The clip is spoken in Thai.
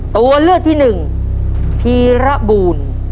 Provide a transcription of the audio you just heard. ตัวเลือกที่๑พีรบูล